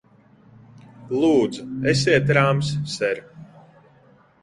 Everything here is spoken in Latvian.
Lūdzu, esiet rāms, ser!